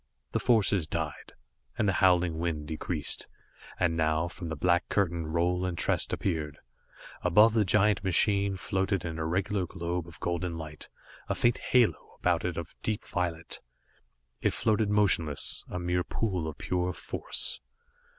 The forces died, and the howling wind decreased, and now, from the black curtain, Roal and Trest appeared. Above the giant machine floated an irregular globe of golden light, a faint halo about it of deep violet. It floated motionless, a mere pool of pure force.